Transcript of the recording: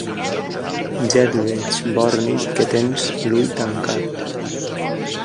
Ja et veig, borni, que tens l'ull tancat.